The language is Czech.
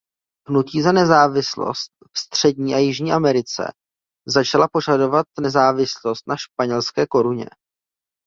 Hnutí za nezávislost v Střední a Jižní Americe začala požadovat nezávislost na španělské koruně.